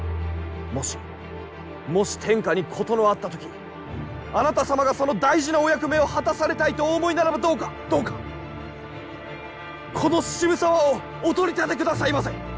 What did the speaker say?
もし、もし天下に事のあった時あなた様が、その大事なお役目を果たされたいとお思いならばどうか、どうかこの渋沢をお取り立てくださいませ！